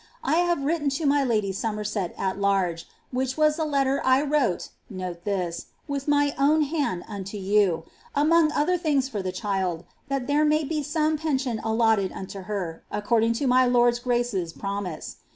I have writteo to my lady Sooieiist St Iaf8e;^which was the letter I wrote (note this) with mine own hud oaio yps; •mong other things lor the child, that there may be some pensioo •ttoned warn her. aooording to my lord's grace's promise.